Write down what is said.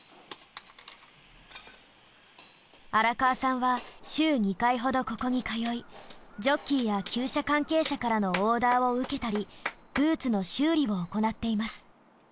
荒川さんは週２回ほどここに通いジョッキーやきゅう舎関係者からのオーダーを受けたりブーツの修理を行っています。